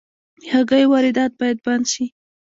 د هګیو واردات باید بند شي